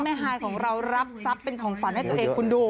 ฮายของเรารับทรัพย์เป็นของขวัญให้ตัวเองคุณดู